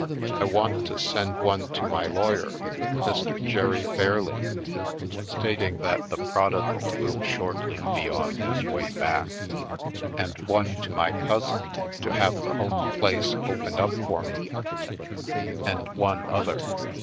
I want to send one to my lawyer, Mr, Jere Fairleigh, stating that the Prodigal will shortly be on his way back, and one to my cousin to have the home place opened up for me — and one other.